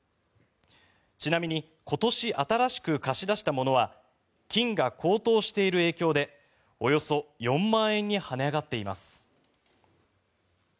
ちなみに今年、新しく貸し出したものは金が高騰している影響でおよそ４万円に跳ね上がっています。